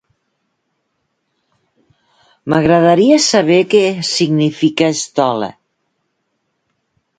M'agradaria saber què significa estola.